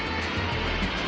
jangan makan aku